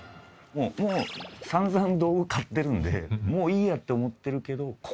もう散々道具買ってるのでもういいやって思ってるけど。